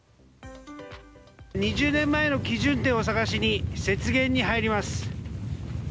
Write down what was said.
２０年前の基準点を探しに雪原に入ります。